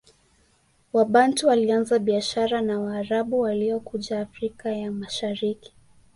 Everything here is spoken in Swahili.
Wabantu walianza biashara na Waarabu waliokuja Afrika ya Mashariki